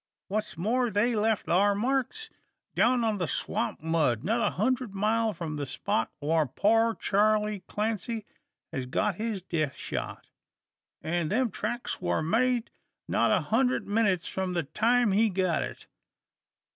What's more, they left thar marks down on the swamp mud, not a hunderd mile from the spot whar poor Charley Clancy hez got his death shot; an' them tracks war made not a hundred minnits from the time he got it.